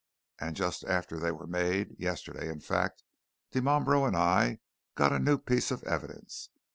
And just after they were made yesterday in fact Dimambro and I got a new piece of evidence.